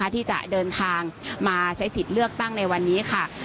ที่จะเดินทางมาใช้สิทธิ์เลือกตั้งในวันนี้ค่ะ